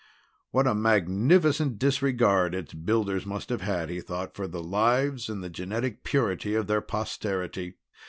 What a magnificent disregard its builders must have had, he thought, for their lives and the genetic purity of their posterity!